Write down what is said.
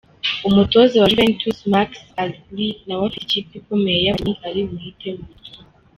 Umutoza wa Juventus Max Allegri nawe afite ikipe ikomeye y'abakinnyi ari buhitemo.